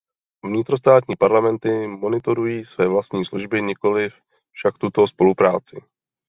Vnitrostátní parlamenty monitorují své vlastní služby, nikoliv však tuto spolupráci.